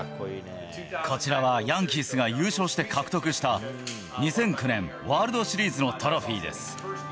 こちらはヤンキースが優勝して獲得した、２００９年ワールドシリーズのトロフィーです。